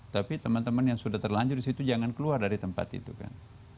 tapi teman teman yang sudah terlanjur disitu jangan keluar dari tempat itu kan